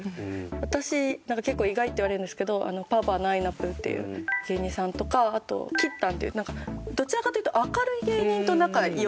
私結構意外って言われるんですけどパーパーのあいなぷぅっていう芸人さんとかあときったんっていうどちらかというと明るい芸人と仲良くて。